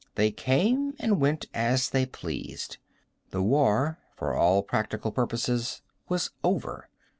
They came and went as they pleased. The war, for all practical purposes, was over.